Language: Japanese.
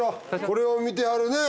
これを見てはるね